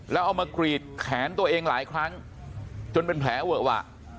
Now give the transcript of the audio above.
แล้วเอามากรีดแขนตัวเองหลายครั้งจนเป็นแผลเวอะวะ